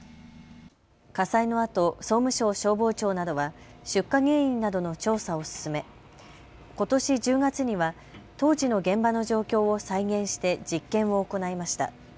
火災のあと総務省消防庁などは出火原因などの調査を進めことし１０月には当時の現場の状況を再現して実験を行いました。